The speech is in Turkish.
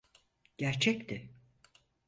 Gerçekti.